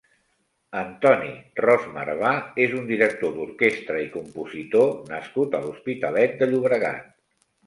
Antoni Ros-Marbà és un director d'orquestra i compositor nascut a l'Hospitalet de Llobregat.